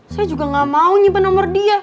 saya juga gak mau nyimpan nomor dia